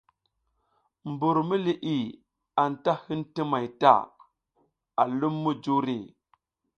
Mbur mi liʼi anta hin ti may ta, a lum mujuri.